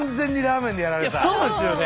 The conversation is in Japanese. そうですよね